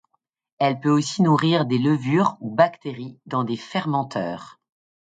Elle peut aussi nourrir des levures ou bactéries dans des fermenteurs.